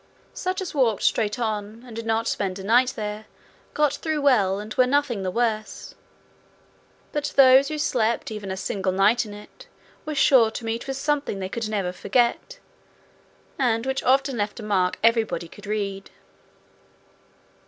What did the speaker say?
Such as walked straight on, and did not spend a night there, got through well and were nothing the worse. But those who slept even a single night in it were sure to meet with something they could never forget, and which often left a mark everybody could read.